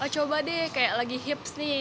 coba deh kayak lagi hips nih